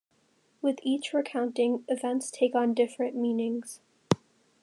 With each recounting, events take on different meanings.